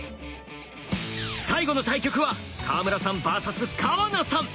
最後の対局は川村さんＶＳ川名さん。